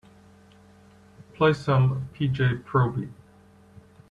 Play some P. J. Proby